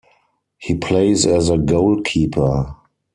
He plays as a goalkeeper.